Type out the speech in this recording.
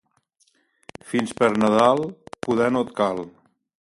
Fins per Nadal, podar no et cal.